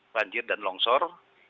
banjir dan longsor